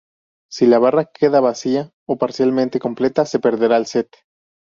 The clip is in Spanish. Si la barra queda vacía o parcialmente completa, se perderá el set.